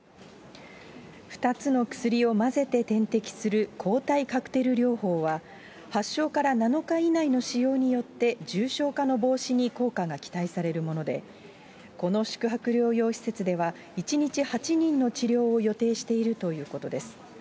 ２つの薬を混ぜて点滴する、抗体カクテル療法は、発症から７日以内の使用によって、重症化の防止に効果が期待されるもので、この宿泊療養施設では、１日８人の治療を予定しているということです。